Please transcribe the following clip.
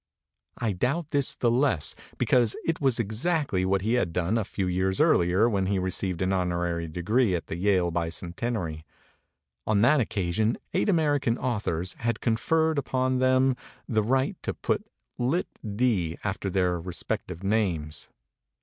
I doubt this the less because it was exactly what he had done a few years earlier when he received an honorary degree at the Yale Bicen tenary. On that occasion eight American au thors had conferred upon them the right to put Litt.D. after their respective names.